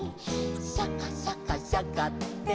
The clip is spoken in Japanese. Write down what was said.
「シャカシャカシャカって」